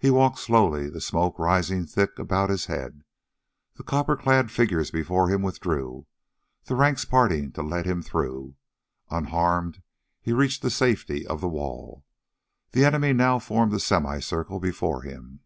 He walked slowly, the smoke rising thick about his head. The copper clad figures before him withdrew, the ranks parting to let him through. Unharmed he reached the safety of the wall. The enemy now formed a semi circle before him.